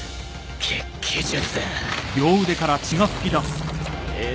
血気術円